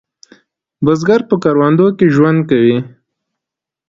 بزګر په کروندو کې ژوند کوي